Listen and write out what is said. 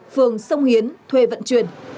phường sông hiến thuê vận chuyển